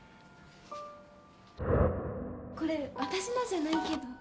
これ私のじゃないけど。